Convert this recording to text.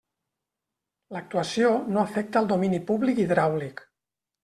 L'actuació no afecta el domini públic hidràulic.